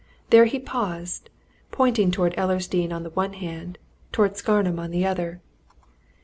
There he paused, pointing towards Ellersdeane on the one hand, towards Scarnham on the other.